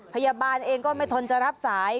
พยาบาลเองก็ไม่ทนจะรับสาย